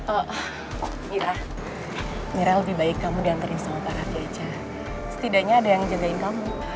oh mira mira lebih baik kamu dihantarin sama para piaja setidaknya ada yang ngejagain kamu